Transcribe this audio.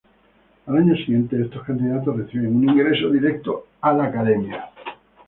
Al año siguiente, estos candidatos reciben un ingreso directo a la academia.